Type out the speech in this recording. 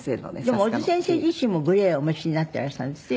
でも小津先生自身もグレーをお召しになっていらしたんですって？